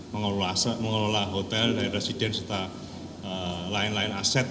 mengolah hotel residen serta lain lain aset